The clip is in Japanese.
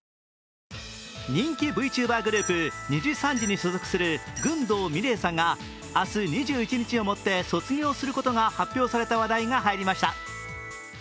人気ＶＴｕｂｅｒグループ、にじさんじに所属する郡道美玲さんが明日２１日をもって卒業することが発表された話題が入りました。